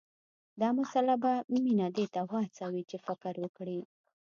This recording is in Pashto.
دا مسله به مينه دې ته وهڅوي چې فکر وکړي